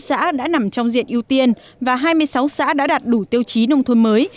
hai mươi bốn xã đã nằm trong diện ưu tiên và hai mươi sáu xã đã đạt đủ tiêu chí nông thôn mới